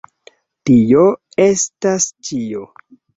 Tio estas ĉio.